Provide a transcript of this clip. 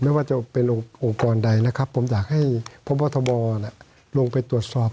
ไม่ว่าจะเป็นองค์กรใดนะครับผมอยากให้พบทบลงไปตรวจสอบ